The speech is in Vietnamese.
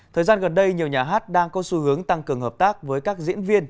thời gian gần đây nhiều nhà hát đang có xu hướng tăng cường hợp tác với các diễn viên